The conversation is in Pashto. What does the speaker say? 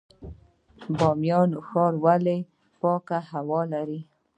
بامیان ښار ولې پاکه هوا لري؟